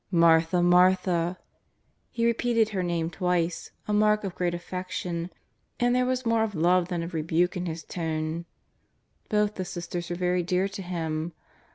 ^^ Martha, Martha !" He repeated her name twice, a mark of great affection, and there was more of love than of rebuke in His tone. Both the sisters were very dear to Him.